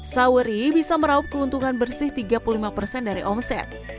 saweri bisa meraup keuntungan bersih tiga puluh lima persen dari omset